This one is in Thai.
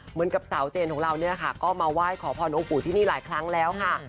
เหมือนกับสาวเจนคงมาไหว้ขอพรองคู่ที่นี่หลายครั้งแล้วค่ะ